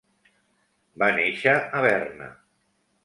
Va néixer a Berna.